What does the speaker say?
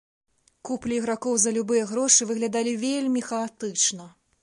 Куплі ігракоў за любыя грошы выглядалі вельмі хаатычна.